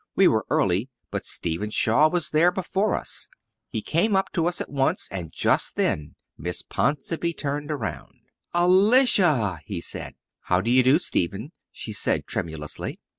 We were early, but Stephen Shaw was there before us. He came up to us at once, and just then Miss Ponsonby turned around. "Alicia!" he said. "How do you do, Stephen?" she said tremulously.